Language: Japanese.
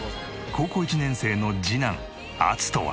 高校１年生の次男アツトは。